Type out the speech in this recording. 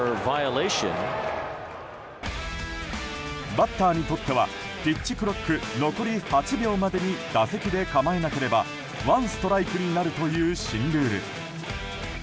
バッターにとってはピッチクロック残り８秒までに打席で構えなければワンストライクになるという新ルール。